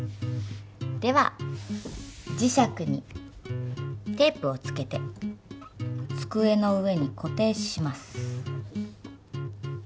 では磁石にテープをつけてつくえの上に固定します。